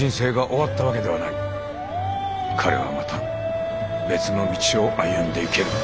彼はまた別の道を歩んでいける。